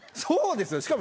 そうですね。